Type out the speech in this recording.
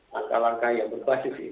langkah langkah yang berklasifik ini ya